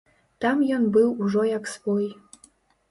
Там ён быў ужо як свой.